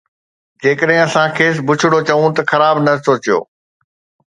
جيڪڏهن اسان کيس بڇڙو چئون ته خراب نه سوچيو